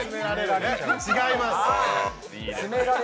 違います。